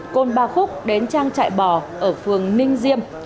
côn ba khúc đến trang trại bò ở phường ninh diêm